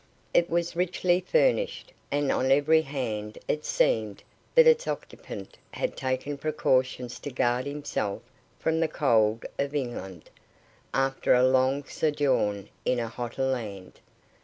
It was richly furnished, and on every hand it seemed that its occupant had taken precautions to guard himself from the cold of England, after a long sojourn in a hotter land.